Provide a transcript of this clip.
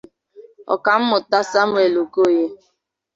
Ọkammụta Samuel Okoye